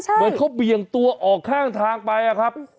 จริงเดี๋ยวเขาเบียงตัวออกข้างทางไปอะครับ